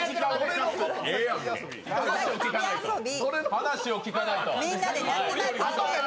話を聞かないと。